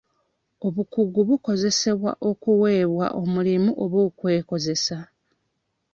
Obukugu bukusobozesa okuweebwa omulimu oba okwekozesa.